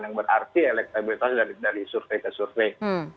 yang berarti elektabilitas dari survei ke survei